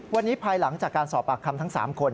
วันนี้ภายหลังจากการสอบปากคำทั้ง๓คน